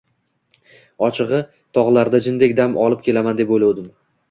Ochigʼi, togʼlarda jindek dam olib kelaman, deb oʼylovdim.